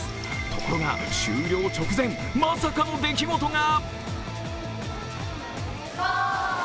ところが、終了直前まさかの出来事が！